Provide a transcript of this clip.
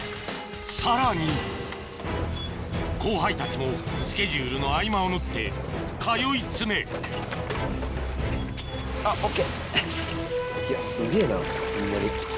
さらに後輩たちもスケジュールの合間を縫って通い詰めあっＯＫいやすげぇなホンマに。